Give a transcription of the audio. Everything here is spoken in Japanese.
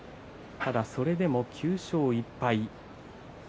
ただ、それでも９勝１敗。